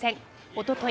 おととい